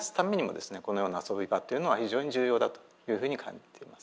このような遊び場というのは非常に重要だというふうに感じています。